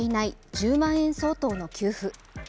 １０万円相当の給付。